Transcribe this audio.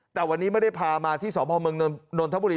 แต่วันนี้ไม่ได้พามาที่สพเมืองนนทบุรี